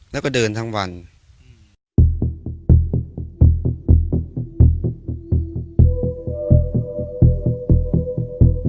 แล้วสมมุติถ้าเกิดว่าน้องเนี่ยเดินไปแล้วหกลบเนี่ยน้องจะร้องไหมหรือว่า